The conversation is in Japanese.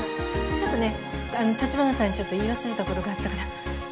ちょっとね立花さんにちょっと言い忘れたことがあったから。